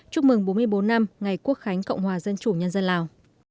chúc mừng bốn mươi bốn năm ngày quốc khánh cộng hòa dân chủ nhân dân lào